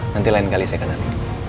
nanti lain kali saya kenalin